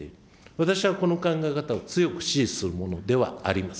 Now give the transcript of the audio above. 私はこの考え方を強く支持するものではあります。